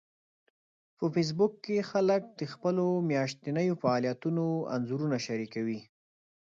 په فېسبوک کې خلک د خپلو میاشتنيو فعالیتونو انځورونه شریکوي